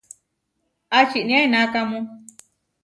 ¿Ačinía enakámu?